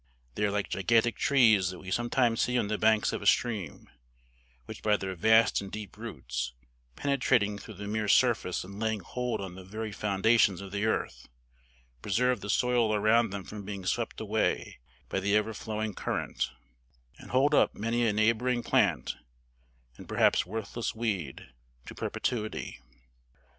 They are like gigantic trees that we sometimes see on the banks of a stream, which by their vast and deep roots, penetrating through the mere surface and laying hold on the very foundations of the earth, preserve the soil around them from being swept away by the ever flowing current, and hold up many a neighboring plant, and perhaps worthless weed, to perpetuity.